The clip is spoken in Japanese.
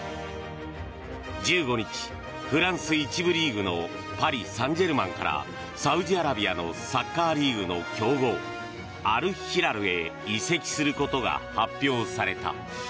１５日、フランス１部リーグのパリ・サンジェルマンからサウジアラビアのサッカーリーグの強豪アルヒラルへ移籍することが発表された。